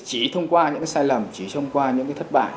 chỉ thông qua những cái sai lầm chỉ thông qua những cái thất bại